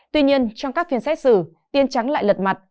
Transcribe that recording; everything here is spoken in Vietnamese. tuy nhiên trong các phiên xét xử tiên trắng lại lật mặt